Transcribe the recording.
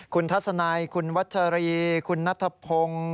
คุณทัศนัยคุณวัชรีคุณนัทพงศ์